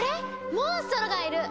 モンストロがいる！